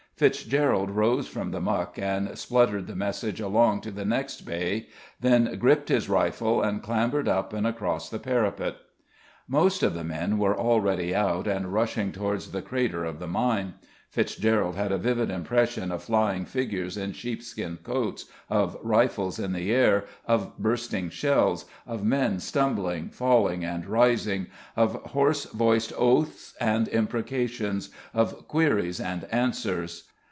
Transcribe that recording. Fitzgerald rose from the muck and spluttered the message along to the next bay, then gripped his rifle and clambered up and across the parapet. Most of the men were already out and rushing towards the crater of the mine. Fitzgerald had a vivid impression of flying figures in sheepskin coats, of rifles in air, of bursting shells, of men stumbling, falling and rising, of hoarse voiced oaths and imprecations, of queries and answers.